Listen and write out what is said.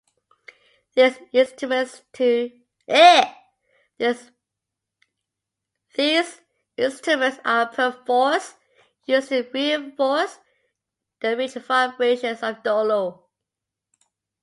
These instruments are perforce used to reinforce the rich vibrations of Dollu.